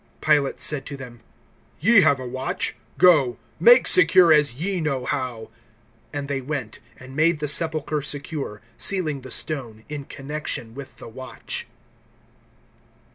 (65)Pilate said to them: Ye have a watch; go, make secure, as ye know how. (66)And they went, and made the sepulchre secure, sealing the stone, in connection with the watch.